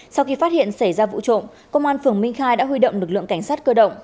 sau khi phát hiện xảy ra vụ trộm công an phường minh khai đã huy động lực lượng cảnh sát cơ động